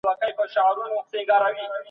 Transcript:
ايا د نولي په پېژند کي کوم نوی شی نسته؟